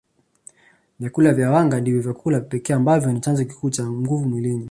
Vyakula vya wanga ndio vyakula pekee ambavyo ni chanzo kikuu cha nguvu mwilini